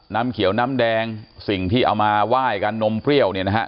น้ำเขียวน้ำแดงสิ่งที่เอามาไหว้กันนมเปรี้ยวเนี่ยนะฮะ